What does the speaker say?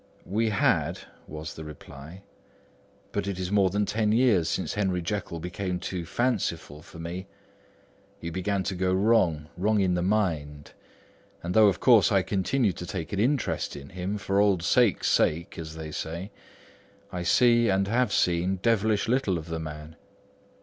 "We had," was the reply. "But it is more than ten years since Henry Jekyll became too fanciful for me. He began to go wrong, wrong in mind; and though of course I continue to take an interest in him for old sake's sake, as they say, I see and I have seen devilish little of the man.